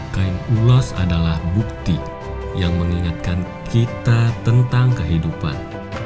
kain ulos adalah bukti yang mengingatkan kita tentang kehidupan